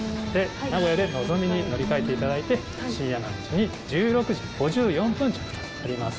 名古屋でのぞみに乗り換えていただいて新山口に１６時５４分着となります。